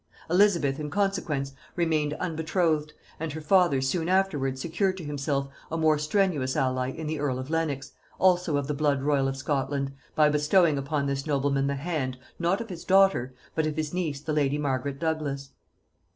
Elizabeth in consequence remained unbetrothed, and her father soon afterwards secured to himself a more strenuous ally in the earl of Lenox, also of the blood royal of Scotland, by bestowing upon this nobleman the hand, not of his daughter, but of his niece the lady Margaret Douglas.